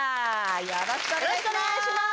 よろしくお願いします